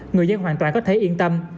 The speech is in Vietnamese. người dân hoàn toàn có thể yên tâm